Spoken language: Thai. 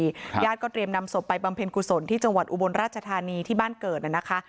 ญาติก็เตรียมนำศพไปบำเพ็ญกุศลที่จังหวัดอุบลราชธานีที่บ้านเกิดน่ะนะคะ